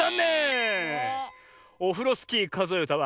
「オフロスキーかぞえうた」は。